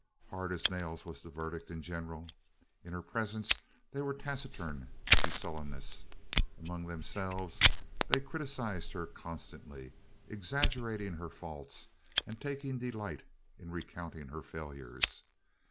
"Hard as nails" was the verdict in general. In her presence they were taciturn to sullenness; among themselves they criticised her constantly, exaggerating her faults and taking delight in recounting her failures.